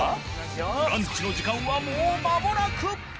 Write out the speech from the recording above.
ランチの時間はもうまもなく。